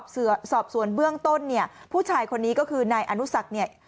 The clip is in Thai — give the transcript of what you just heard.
สอบสวนเบื้องต้นผู้ชายคนนี้ก็คือนายอนุศักดิ์